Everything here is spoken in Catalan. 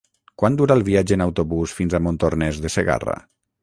Quant dura el viatge en autobús fins a Montornès de Segarra?